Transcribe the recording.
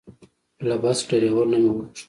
له بس ډریور نه مې وغوښتل.